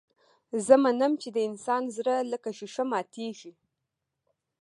زه منم چې د انسان زړه لکه ښيښه ماتېږي.